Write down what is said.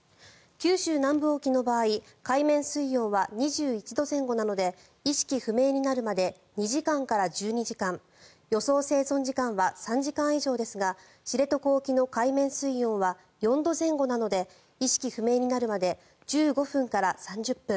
九州南部沖の場合海面水温は２１度前後なので意識不明になるまで２時間から１２時間予想生存時間は３時間以上ですが知床沖の海面水温は４度前後なので意識不明になるまで１５分から３０分。